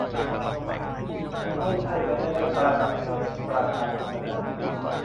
ไม่ใช่ไปได้เลขประจำตัวประชาชนมาจากที่อื่น